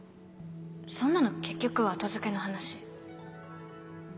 そんなの結局は後付けの話。